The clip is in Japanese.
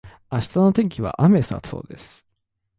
明日の天気は雨だそうです。